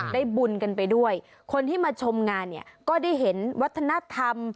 ได้บุญกันไปด้วยคนที่มาชมงานเนี่ยก็ได้เห็นวัฒนธรรม